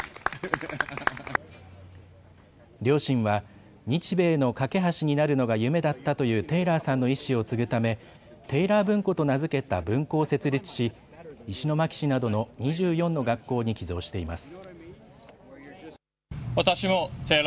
両親は日米のかけ橋になるのが夢だったというテイラーさんの遺志を継ぐためテイラー文庫と名付けた文庫を設立し石巻市などの２４の学校に寄贈しています。